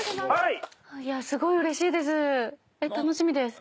すごいうれしいです。